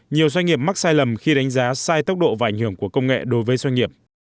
nhiều doanh nghiệp mắc sai lầm khi đánh giá sai tốc độ và ảnh hưởng của công nghệ đối với doanh nghiệp